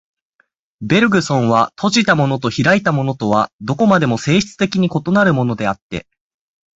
ベルグソンは、閉じたものと開いたものとはどこまでも性質的に異なるものであって、